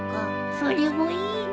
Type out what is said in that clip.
それもいいね。